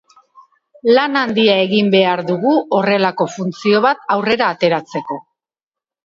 Lan handia egin behar dugu horrelako funtzio bat aurrera ateratzeko.